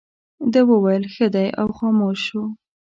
ده وویل ښه دی او خاموش شو.